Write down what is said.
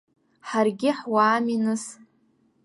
Ҳаргьы ҳуаами, нас.